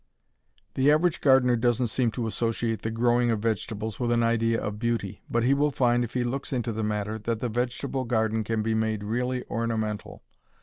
The average gardener doesn't seem to associate the growing of vegetables with an idea of beauty, but he will find, if he looks into the matter, that the vegetable garden can be made really ornamental.